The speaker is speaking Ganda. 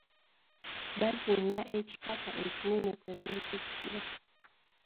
Bazinga ekikata ekinene kwe beetikkira.